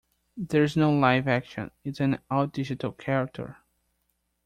There is no live action; it's an all-digital character.